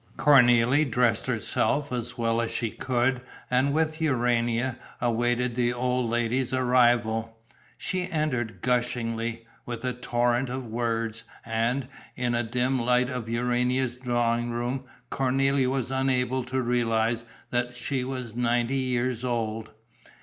Cornélie dressed herself as well as she could and with Urania awaited the old lady's arrival. She entered gushingly, with a torrent of words; and, in the dim light of Urania's drawing room, Cornélie was unable to realize that she was ninety years old.